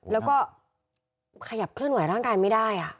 แล้วก็ขยับเคลื่อนไหร่างกายไม่ได้